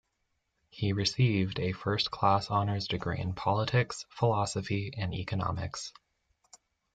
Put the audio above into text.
He received a first class honours degree in Politics, Philosophy and Economics.